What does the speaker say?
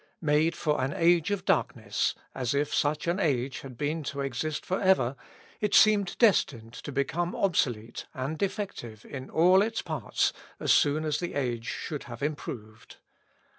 Made for an age of darkness, as if such an age had been to exist for ever, it seemed destined to become obsolete and defective in all its parts as soon as the age should have improved.